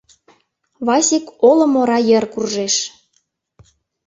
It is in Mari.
Васик олым ора йыр куржеш.